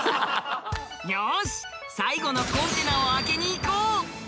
よし最後のコンテナを開けにいこう！